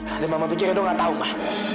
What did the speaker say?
ada mama pikir edo nggak tahu mak